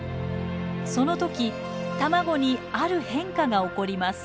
その時卵にある変化が起こります。